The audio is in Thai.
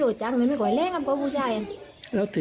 ไม่คอยเห็นน่ะไม่คอยเห็นเขาตาหลอก